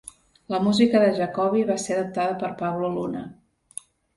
La música de Jacobi va ser adaptada per Pablo Luna.